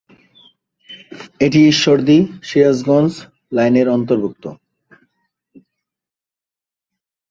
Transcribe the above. এটি ঈশ্বরদী-সিরাজগঞ্জ লাইনের অন্তর্ভুক্ত।